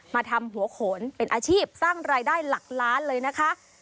มาทำหัวโขนเป็นอาชีพสร้างรายได้หลักล้านเลยนะคะ